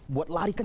buat lari kan